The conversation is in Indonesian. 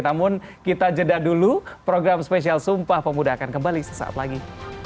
namun kita jeda dulu program spesial sumpah pemuda akan kembali sesaat lagi